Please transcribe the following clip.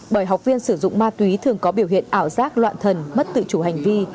bởi học viên sử dụng ma túy thường có biểu hiện ảo giác loạn thần mất tự chủ hành vi